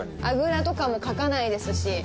あぐらとかもかかないですし。